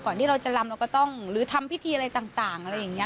ที่เราจะลำเราก็ต้องหรือทำพิธีอะไรต่างอะไรอย่างนี้